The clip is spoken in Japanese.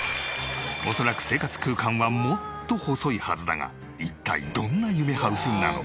恐らく生活空間はもっと細いはずだが一体どんな夢ハウスなのか？